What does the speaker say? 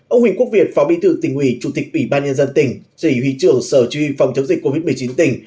ông huỳnh quốc việt phó bị thượng tỉnh ủy chủ tịch ủy ban nhân dân tỉnh chỉ huy trưởng sở truy phòng chống dịch covid một mươi chín tỉnh